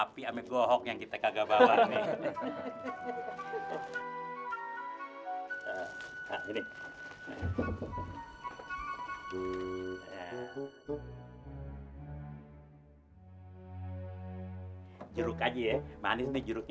sampai jumpa di video selanjutnya